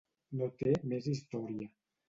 No té més història.